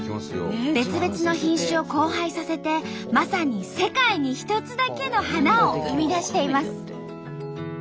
別々の品種を交配させてまさに「世界に一つだけの花」を生み出しています。